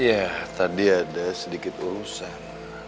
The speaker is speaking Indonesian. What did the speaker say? iya tadi ada sedikit urusan